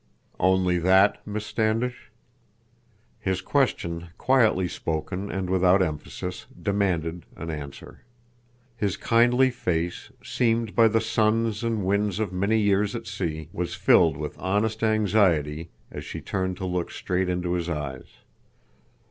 "Only that, Miss Standish?" His question, quietly spoken and without emphasis, demanded an answer. His kindly face, seamed by the suns and winds of many years at sea, was filled with honest anxiety as she turned to look straight into his eyes.